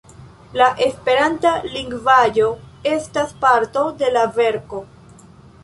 La esperanta lingvaĵo estas parto de la verko.